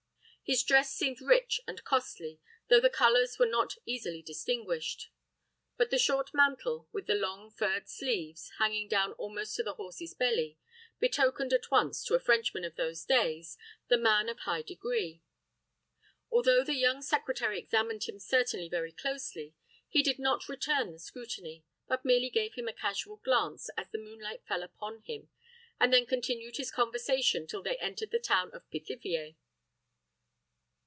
His dress seemed rich and costly, though the colors were not easily distinguished. But the short mantle, with the long, furred sleeves, hanging down almost to his horse's belly, betokened at once, to a Frenchman of those days, the man of high degree. Although the young secretary examined him certainly very closely, he did not return the scrutiny, but merely gave him a casual glance, as the moonlight fell upon him, and then continued his conversation till they entered the town of Pithiviers.